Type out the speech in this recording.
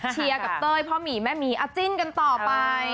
เชียร์กับเตยเพราะหมี่แม่หมี่จิ้งกันต่อไป